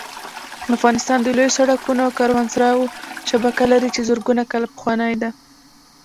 افغانستان د لویو سړکونو او کاروانسراوو شبکه لري چې زرګونه کاله پخوانۍ ده